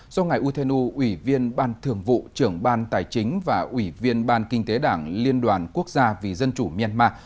do ngài u thên u ủy viên ban thường vụ trưởng ban tài chính và ủy viên ban kinh tế đảng liên đoàn quốc gia vì dân chủ myanmar